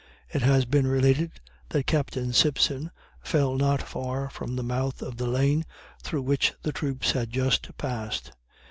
It has been related that Captain Simpson fell not far from the mouth of the lane through which the troops had just passed.